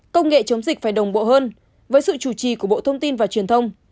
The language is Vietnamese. công nghệ chống dịch phải đồng bộ hơn với sự chủ trì của bộ thông tin và truyền thông